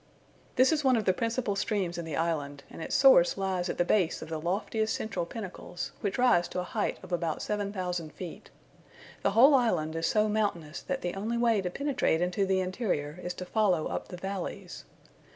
This is one of the principal streams in the island, and its source lies at the base of the loftiest central pinnacles, which rise to a height of about 7000 feet. The whole island is so mountainous that the only way to penetrate into the interior is to follow up the valleys.